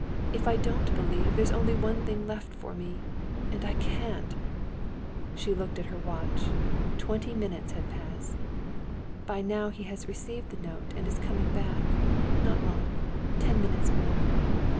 If I don't believe, there's only one thing left for me, and I can't." She looked at her watch. Twenty minutes had passed. "By now he has received the note and is coming back. Not long, ten minutes more....